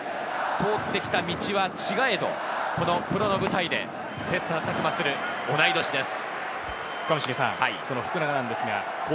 通ってきた道は違えど、このプロの舞台で切磋琢磨する同い年です。